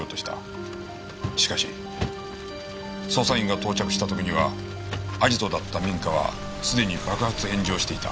しかし捜査員が到着した時にはアジトだった民家はすでに爆発炎上していた。